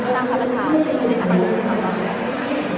สร้างภาพภาษา